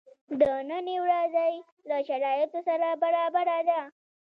د نني ورځی له شرایطو سره برابره ده.